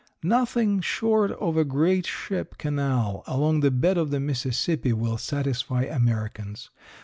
Nothing short of a great ship canal along the bed of the Mississippi will satisfy Americans.